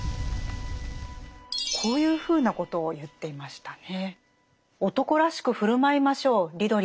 こういうふうなことを言っていましたね。